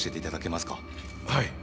はい。